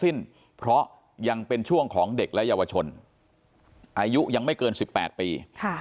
เพราะยังเป็นช่วงของเด็กและเยาวชนอายุยังไม่เกิน๑๘ปี